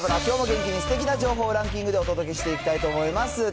きょうも元気にすてきな情報をランキングでお届けしていきたいと思います。